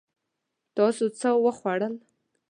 تاسو څه وخوړل؟